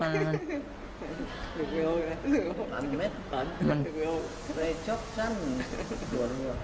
พ่อนิ่งกลับมาบอกยาวเลยครับ